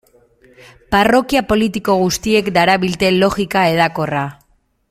Parrokia politiko guztiek darabilte logika hedakorra.